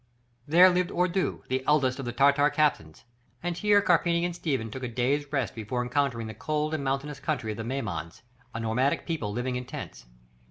There lived Ordu, the eldest of the Tartar captains, and here Carpini and Stephen took a day's rest before encountering the cold and mountainous country of the Maimans, a nomadic people living in tents.